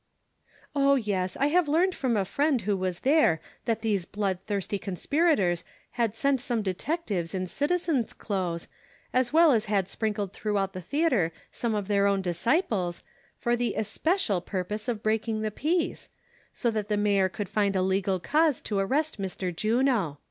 •'■O, yes, I have learned from a friend who was there, that tiiese blood thirsty conspirators had sent some detec tives hi citizens' clothes, as well as had sprinkled through out the theatre some of their own disciples, for the especial purpose of breaking the peace, so that the mayor could find a legal cause to arrest Mr. Juno.